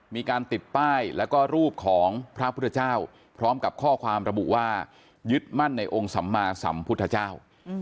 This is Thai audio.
มีการติดป้ายแล้วก็รูปของพระพุทธเจ้าพร้อมกับข้อความระบุว่ายึดมั่นในองค์สัมมาสัมพุทธเจ้า